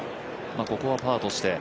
ここはパーとして。